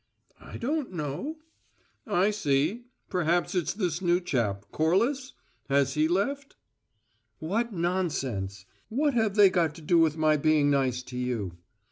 "I don't know." "I see. Perhaps it's this new chap, Corliss? Has he left?" "What nonsense! What have they got to do with my being nice to you?"